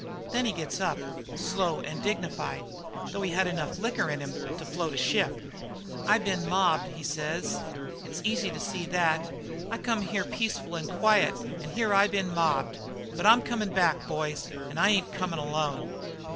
"Then he gets up, slow and dignified, though he had enough liquor in him to float a ship. "'I been mobbed,' he says, 'it's easy to see that. I come here peaceful and quiet, and here I been mobbed. But I'm comin' back, boys, and I ain't comin' alone.'